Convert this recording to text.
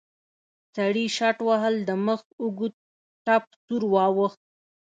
سړي شټوهل د مخ اوږد ټپ سور واوښت.